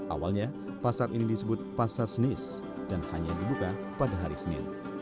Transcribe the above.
awalnya pasar ini disebut pasar senis dan hanya dibuka pada hari senin